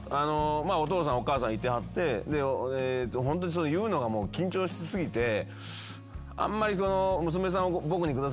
まあお父さんお母さんいてはってでホントに言うのが緊張し過ぎてあんまり。